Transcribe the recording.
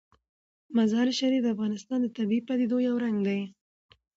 مزارشریف د افغانستان د طبیعي پدیدو یو رنګ دی.